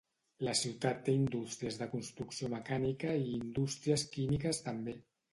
La ciutat té indústries de construcció mecànica i indústries químiques també.